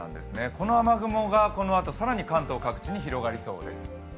この雨雲がこのあと更に関東各地に広がりそうです。